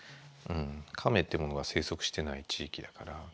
カメってものが生息してない地域だから。